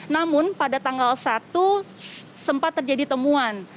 namun pada tanggal satu sempat terjadi temuan